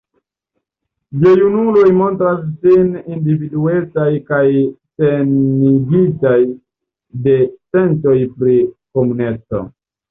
Gejunuloj montras sin individuecaj kaj senigitaj de sentoj pri komuneco.